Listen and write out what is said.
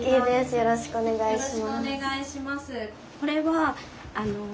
よろしくお願いします。